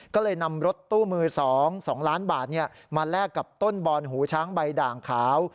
ก็เลยนำรถตู้มือ๒๒ล้านบาทมาแลกกับต้นบอนหูช้างใบด่างขาว